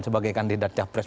sebagai kandidat capres